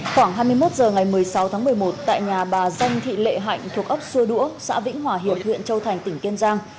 khoảng hai mươi một h ngày một mươi sáu tháng một mươi một tại nhà bà danh thị lệ hạnh thuộc ấp xua đũa xã vĩnh hòa hiệp huyện châu thành tỉnh kiên giang